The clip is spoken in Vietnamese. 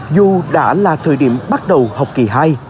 dù đã là thời điểm bắt đầu học kỳ hai